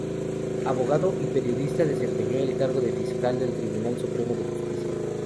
Abogado y periodista, desempeñó el cargo de fiscal del Tribunal Supremo de Justicia.